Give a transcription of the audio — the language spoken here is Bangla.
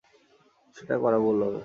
সেটা করা ভুল হবে।